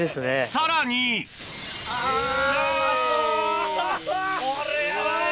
さらにうわ！これヤバい！